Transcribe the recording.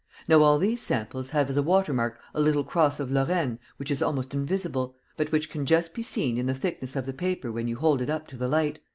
Now all these samples have as a water mark a little cross of Lorraine which is almost invisible, but which can just be seen in the thickness of the paper when you hold it up to the light.